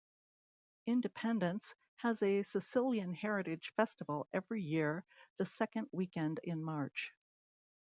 Independence has a Sicilian heritage festival every year the second weekend in March.